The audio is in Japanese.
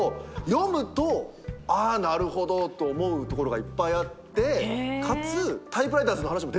読むとああなるほどと思うところがいっぱいあってかつ。